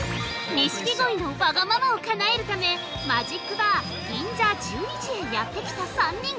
◆錦鯉のわがままをかなえるため、マジックバー銀座十二時へやってきた３人。